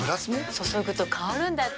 注ぐと香るんだって。